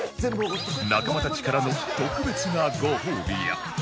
仲間たちからの特別なご褒美や